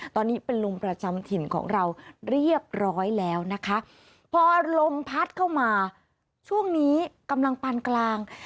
ตอนนี้เป็นลมประจำถิ่นของเราเรียบร้อยแล้วนะคะพอลมพัดเข้ามาช่วงนี้กำลังปานกลาง